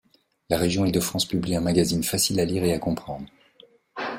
La région Île-de-France publie un magazine facile à lire et à comprendre.